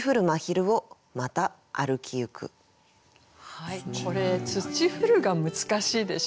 はいこれ「霾る」が難しいでしょ。